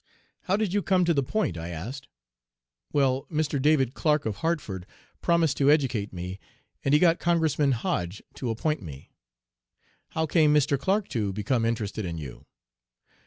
"'How did you come to "the Point?"' I asked. "'Well, Mr. David Clark, of Hartford, promised to educate me, and he got Congressman Hoge to appoint me.' "'How came Mr. Clark to become interested in you?'